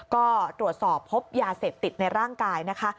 ก็ตรวจสอบพบยาเสพติดในร่างกายนะคะ